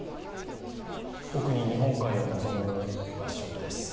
奥に日本海を望む場所です。